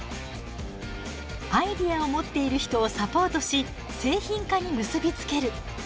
アイデアを持っている人をサポートし製品化に結び付ける。